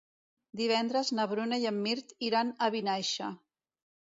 Divendres na Bruna i en Mirt iran a Vinaixa.